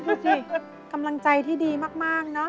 ดูสิกำลังใจที่ดีมากเนอะ